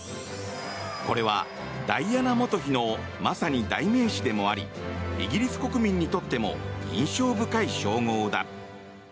これはダイアナ元妃のまさに代名詞でもありイギリス国民にとっても印象深い称号だ。